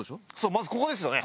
まずここですよね。